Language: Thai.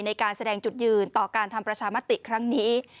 ในการแสดงจุดยืนต่อการทำประชามติครั้งนี้